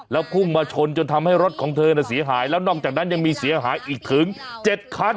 แล้วพุ่งมาชนจนทำให้รถของเธอเสียหายแล้วนอกจากนั้นยังมีเสียหายอีกถึง๗คัน